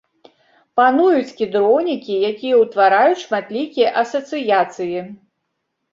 Пануюць кедроўнікі, якія ўтвараюць шматлікія асацыяцыі.